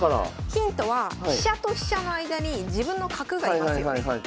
ヒントは飛車と飛車の間に自分の角が居ますよね。